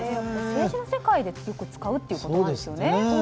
政治の世界でよく使うということですね。